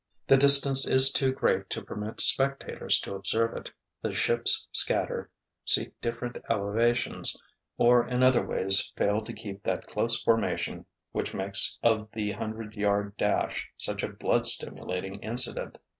The distance is too great to permit spectators to observe it, the ships scatter, seek different elevations, or in other ways fail to keep that close formation which makes of the hundred yard dash such a blood stimulating incident.